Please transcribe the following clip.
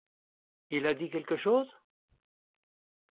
Il a dit quelque chose ?